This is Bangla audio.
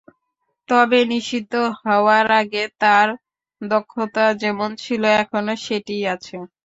তবে নিষিদ্ধ হওয়ার আগে তার দক্ষতা যেমন ছিল, এখনো সেটিই আছে।